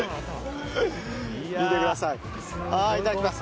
いただきます。